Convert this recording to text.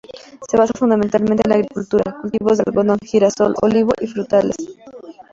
Se basa fundamentalmente en la agricultura: Cultivos de algodón, girasol, olivo y frutales.